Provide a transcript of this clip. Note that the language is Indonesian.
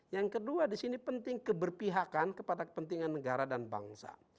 yang kedua di sini penting keberpihakan kepada kepentingan negara dan bangsa